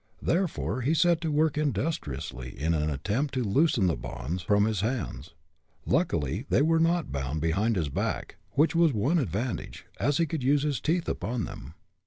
Therefore he set to work industriously in an attempt to loosen the bonds from his hands. Luckily they were not bound behind his back, which was one advantage, as he could use his teeth upon them.